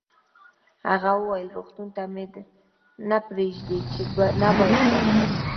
هغه وویل: روغتون ته مې نه پرېږدي، چې نه باید ورشم.